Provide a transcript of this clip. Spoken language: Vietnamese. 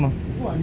của ấn độ